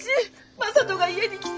正門が家に来て。